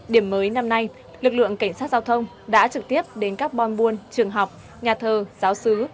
điểm mới năm nay lực lượng cảnh sát giao thông đã trực tiếp đến các bon buôn trường học nhà thơ giáo sứ